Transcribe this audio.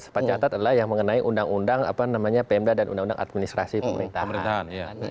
sepat catat adalah yang mengenai undang undang pmda dan uu pemerintahan